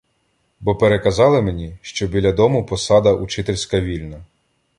— Бо переказали мені, що біля дому посада учительська вільна.